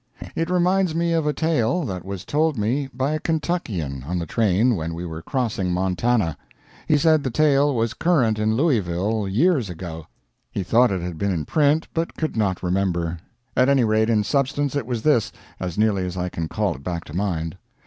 It reminds me of a tale that was told me by a Kentuckian on the train when we were crossing Montana. He said the tale was current in Louisville years ago. He thought it had been in print, but could not remember. At any rate, in substance it was this, as nearly as I can call it back to mind.